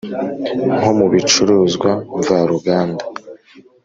Nko mu bicuruzwa mvaruganda